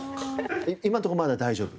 今のところまだ大丈夫？